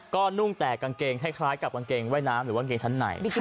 ก็นุ่งแต่กางเกงคล้ายกับกางเกงว่ายน้ำหรือว่ากางเกงชั้นใน